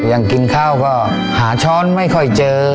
ยังกินข้าวก็หาช้อนไม่ค่อยเจอ